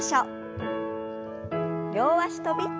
両脚跳び。